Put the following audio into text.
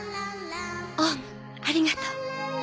王蟲ありがとう。